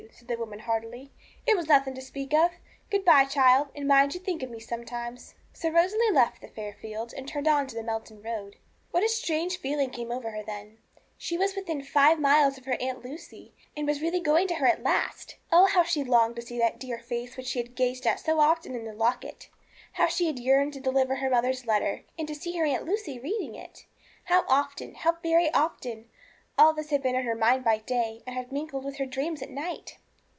said the woman heartily; 'it was nothing to speak of. Good bye, child, and mind you think of me sometimes.' So Rosalie left the fair field and turned on to the Melton road. What a strange feeling came over her then! She was within five miles of her Aunt Lucy, and was really going to her at last! Oh, how she had longed to see that dear face which she had gazed at so often in the locket! How she had yearned to deliver her mother's letter, and to see her Aunt Lucy reading it! How often how very often, all this had been in her mind by day, and had mingled with her dreams at night!